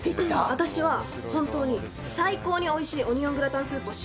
私は、本当に最高においしいオニオングラタンスープを